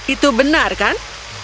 itu benar kan